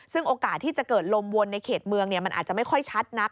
ซึ่งโอกาสที่จะเกิดลมวนในเขตเมืองมันอาจจะไม่ค่อยชัดนัก